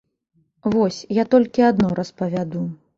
Вось, я толькі адно распавяду.